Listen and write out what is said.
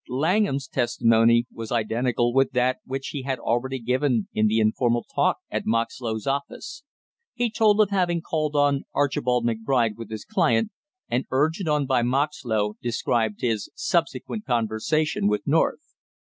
Langham's testimony was identical with that which he had already given in the informal talk at Moxlow's office; he told of having called on Archibald McBride with his client and, urged on by Moxlow, described his subsequent conversation with North.